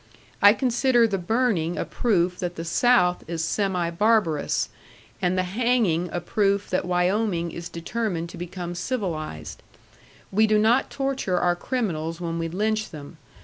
I consider the burning a proof that the South is semi barbarous, and the hanging a proof that Wyoming is determined to become civilized. We do not torture our criminals when we lynch them.